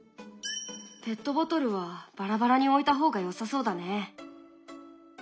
ペットボトルはバラバラに置いた方がよさそうだね。